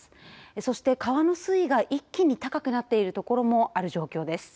そして川の水位が一気に高くなっている所もある状況です。